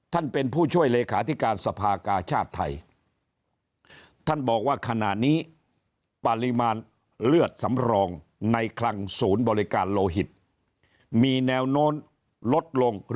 ท่านเป็นผู้ช่วยเลขาธิการสภากาชาติไทยท่านบอกว่าขณะนี้ปริมาณเลือดสำรองในคลังศูนย์บริการโลหิตมีแนวโน้มลดลง